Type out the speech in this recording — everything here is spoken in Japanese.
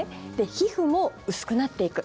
皮膚も薄くなっていく。